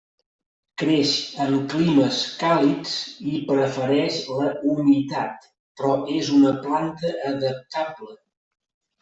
Creix en climes càlids i prefereix la humitat, però és una planta adaptable.